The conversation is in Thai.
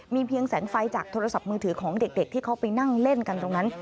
เพียงแสงไฟจากโทรศัพท์มือถือของเด็กที่เขาไปนั่งเล่นกันตรงนั้น